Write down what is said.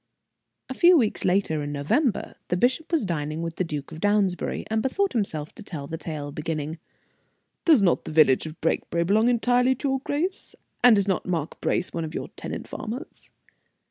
A few weeks later, in November, the bishop was dining with the Duke of Downsbury, and bethought himself to tell the tale, beginning: "Does not the village of Brakebury belong entirely to your grace? and is not Mark Brace one of your tenant farmers?"